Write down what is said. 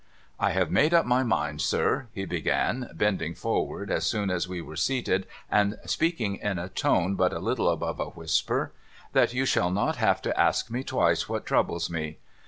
' I have made up my mind, sir,' he began, bending forward as soon as we were seated, and speaking in a tone but a little above a whisper, ' that you shall not have to ask me twice what troubles me.